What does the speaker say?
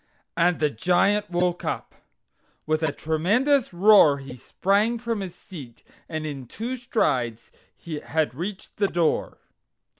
And the Giant woke up. With a tremendous roar he sprang from his seat, and in two strides had reached the door.